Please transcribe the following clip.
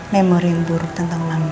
memori yang buruk tentang lanut